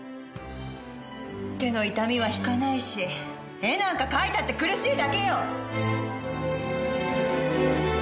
手の痛みは引かないし絵なんか描いたって苦しいだけよ！